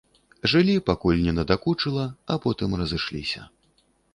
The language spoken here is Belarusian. Жылі, пакуль не надакучыла, а потым разышліся.